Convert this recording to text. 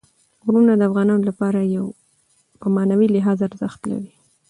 غرونه د افغانانو لپاره په معنوي لحاظ ارزښت لري.